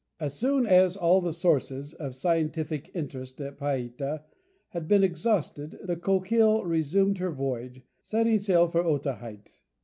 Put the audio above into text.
As soon as all the sources of scientific interest at Payta had been exhausted the Coquille resumed her voyage, setting sail for Otaheite.